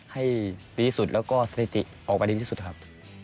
ให้ดีที่สุดแล้วก็สถิติออกไปดีที่สุดครับ